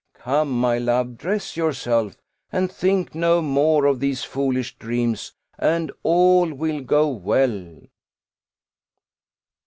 Come, my love, dress yourself, and think no more of these foolish dreams, and all will go well."